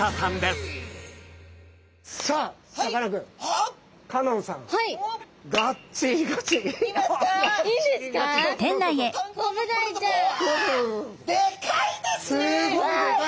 すっごい！